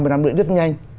ba mươi năm nữa rất nhanh